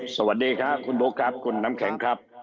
สวัสดีครับคุณบุ๊คครับคุณน้ำแข็งครับ